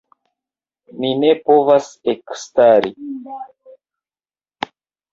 Mi ne povas ekstari.